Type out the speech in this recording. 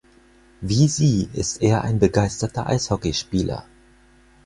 Wie sie ist er ein begeisterter Eishockey-Spieler.